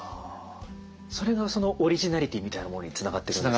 それがそのオリジナリティーみたいなものにつながっていくんですか？